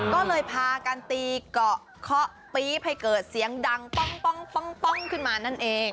ก็เลยพากันตีเกาะเคาะปี๊บให้เกิดเสียงดังป้องขึ้นมานั่นเอง